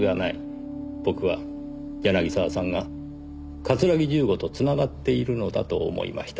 僕は柳沢さんが桂木重吾と繋がっているのだと思いました。